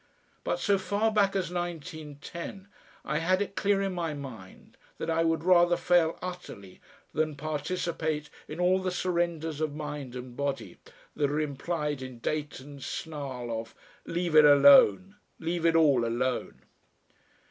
But so far back as 1910 I had it clear in my mind that I would rather fail utterly than participate in all the surrenders of mind and body that are implied in Dayton's snarl of "Leave it alone; leave it all alone!"